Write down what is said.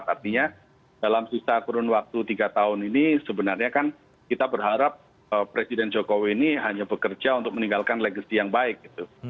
artinya dalam sisa kurun waktu tiga tahun ini sebenarnya kan kita berharap presiden jokowi ini hanya bekerja untuk meninggalkan legacy yang baik gitu